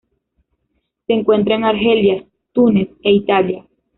Se encuentra en Argelia, Túnez e Italia.